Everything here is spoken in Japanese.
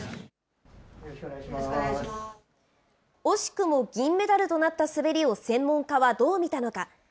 惜しくも銀メダルとなった滑りを専門家はどう見たのか。